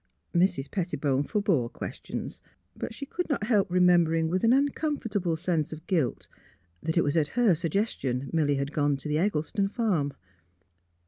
Mrs. Pettibone forebore questions; but she could not help remembering with an uncomfort able sense of guilt that it was at her suggestion Milly had gone to the Eggleston farm.